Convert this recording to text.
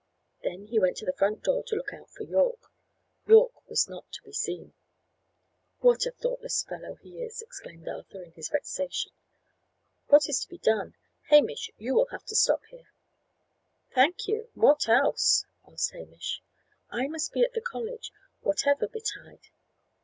Then he went to the front door to look out for Yorke. Yorke was not to be seen. "What a thoughtless fellow he is!" exclaimed Arthur, in his vexation. "What is to be done? Hamish, you will have to stop here." "Thank you! what else?" asked Hamish. "I must be at the college, whatever betide."